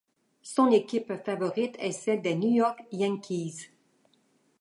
Son équipe favorite est celle des New York Yankees.